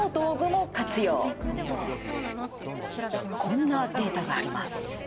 こんなデータがあります。